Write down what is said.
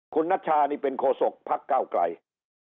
คุณนัชชานี่เป็นโคศกพักเก้าไกล